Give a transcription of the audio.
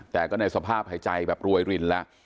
แต่ก็ในสภาพหายใจแบบรวยรินแล้ว